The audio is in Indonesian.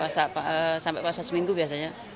sampai puasa seminggu biasanya